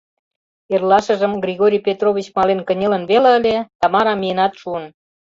Эрлашыжым Григорий Петрович мален кынелын веле ыле, Тамара миенат шуын.